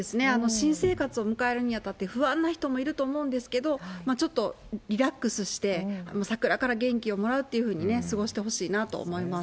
新生活を迎えるにあたって、不安な人もいると思うんですけど、ちょっとリラックスして、桜から元気をもらうっていうふうに過ごしてほしいなと思います。